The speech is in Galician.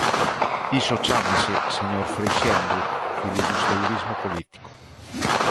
Iso chámase, señor Freixendo, filibusteirismo político.